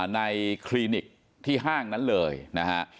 คลินิกที่ห้างนั้นเลยนะฮะ